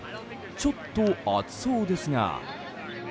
ちょっと暑そうですが。